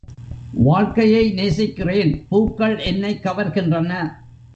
வாழ்க்கையை நேசிக்கிறேன் பூக்கள் என்னைக் கவர்கின்றன.